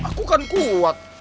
aku kan kuat